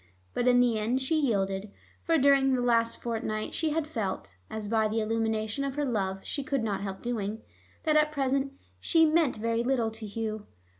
But in the end she yielded, for during this last fortnight she had felt (as by the illumination of her love she could not help doing) that at present she 'meant' very little to Hugh.